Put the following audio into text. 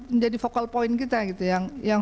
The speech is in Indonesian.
menjadi vocal point kita gitu yang